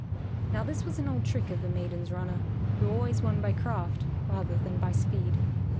Now this was an old trick of the maiden's runner, who always won by craft rather than by speed.